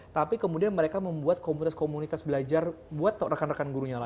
tapi kemudian mereka membuat komunitas komunitas belajar buat rekan rekan gurunya lain